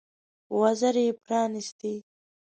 وزرې یې پرانيستې.